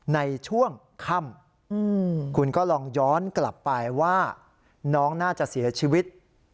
ในช่วงค่ำคุณก็ลองย้อนกลับไปว่าน้องน่าจะเสียชีวิต